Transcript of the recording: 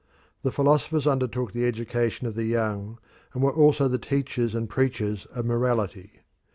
The philosophers undertook the education of the young, and were also the teachers and preachers of morality.